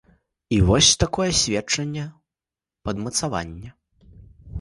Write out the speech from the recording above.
І вось такое сведчанне ў падмацаванне.